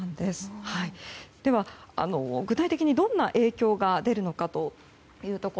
では、具体的にどんな影響が出るのか。